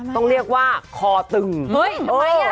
ต้องเรียกว่าคอตึงเฮ้ยทำไมอ่ะ